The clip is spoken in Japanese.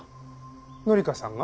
紀香さんが？